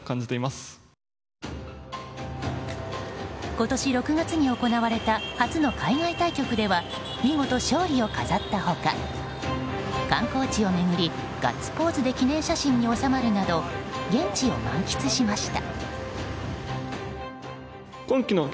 今年６月に行われた初の海外対局では見事、勝利を飾った他観光地を巡りガッツポーズで記念写真に納まるなど現地を満喫しました。